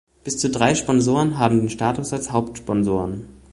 Bis zu drei Sponsoren haben den Status als Hauptsponsoren.